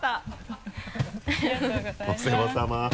お世話さま。